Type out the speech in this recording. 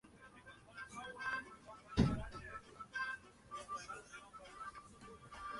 Decantado por el baloncesto, no llegó a concluir sus estudios de periodismo.